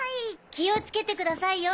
気をつけてくださいよ！